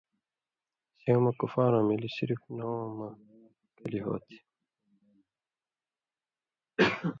سیوں مہ (کُفارؤں مِلیۡ) صرف نوؤں مہ کلیۡ ہُو تھی۔